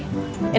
ini gue kepikiran